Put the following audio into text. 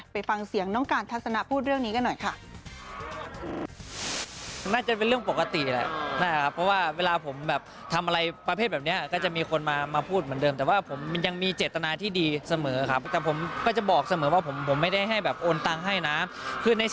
ไปฟังเสียงน้องการทัศนะพูดเรื่องนี้กันหน่อยค่ะ